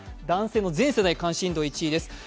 男性の全世代関心度１位です。